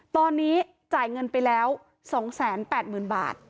ตอนนี้จ่ายเงินไปแล้ว๒๘๐๐๐บาท